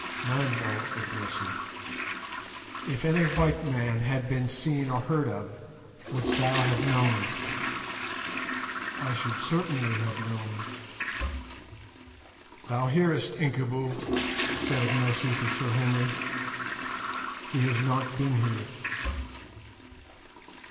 "None, O Ignosi." "If any white man had been seen or heard of, wouldst thou have known?" "I should certainly have known." "Thou hearest, Incubu," said Ignosi to Sir Henry; "he has not been here."